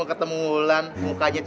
eh bangkuan men